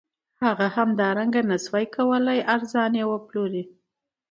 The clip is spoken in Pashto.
هغه همدارنګه نشوای کولی ارزان وپلوري